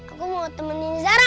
aku mau temenin zara